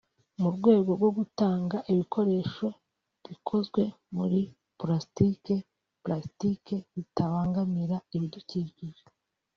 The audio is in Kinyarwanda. mu rwego rwo gutanga ibikoresho bikozwe muri pulasitike(plastique) bitabangamira ibidukikije”